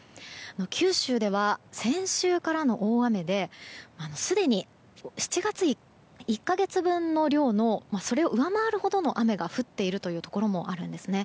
九州では、先週からの大雨ですでに７月１か月分の量を上回るほどの雨が降っているところもあるんですね。